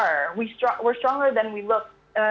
kita lebih kuat daripada kita